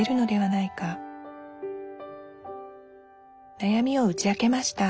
なやみを打ち明けました